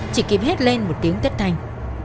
chỉ kịp hết lên một tiếng tất thanh